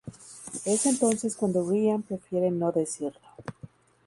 Es entonces cuando Ryan prefiere no decirlo.